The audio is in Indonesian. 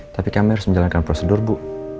tapi kami harus menjalankan prosedur bu